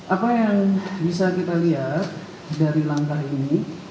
apa yang bisa kita lihat dari langkah ini